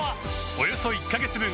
およそ１カ月分